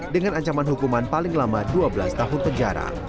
dengan ancaman hukuman paling lama dua belas tahun penjara